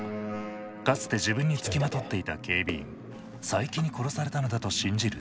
かつて自分につきまとっていた警備員佐伯に殺されたのだと信じる徹生。